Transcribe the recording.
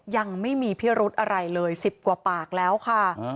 ยังไม่มีเพรียรภิกษ์อะไรเลย๑๐ปากแล้วค่ะ